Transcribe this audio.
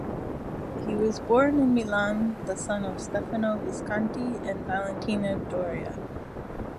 He was born in Milan, the son of Stefano Visconti and Valentina Doria.